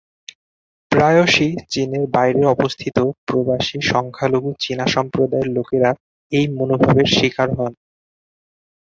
প্রায়শই চীনের বাইরে অবস্থিত প্রবাসী সংখ্যালঘু চীনা সম্প্রদায়ের লোকেরা এই মনোভাবের শিকার হন।